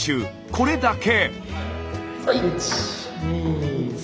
これだけ。